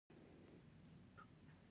د ګټو د یووالي کچه په مذاکراتو اغیزه کوي